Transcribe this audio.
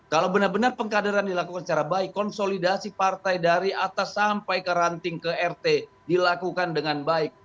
kalau benar benar pengkaderan dilakukan secara baik konsolidasi partai dari atas sampai ke ranting ke rt dilakukan dengan baik